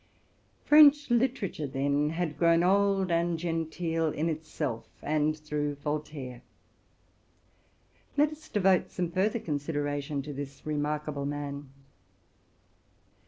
French literature, then, had grown old and genteel in it self, and through Voltaire. Let us devote some further con sideration to this remarkable man.